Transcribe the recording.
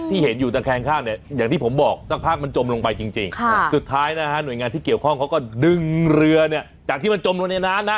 เห็นอยู่ตะแคงข้างเนี่ยอย่างที่ผมบอกสักพักมันจมลงไปจริงสุดท้ายนะฮะหน่วยงานที่เกี่ยวข้องเขาก็ดึงเรือเนี่ยจากที่มันจมลงในน้ำนะ